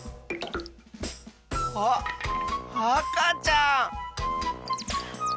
あっあかちゃん！